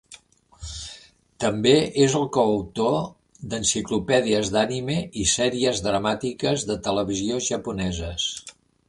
També és el coautor d'enciclopèdies d'anime i sèries dramàtiques de televisió japoneses.